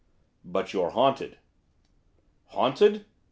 'But you're haunted.' 'Haunted?